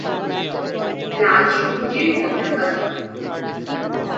লাল সবুজের পতাকা যখন